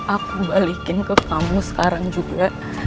aku balikin ke kamu sekarang juga